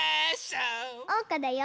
おうかだよ！